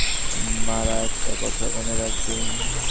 মারা, একটা কথা মনে রাখবি।